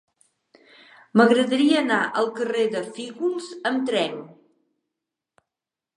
M'agradaria anar al carrer de Fígols amb tren.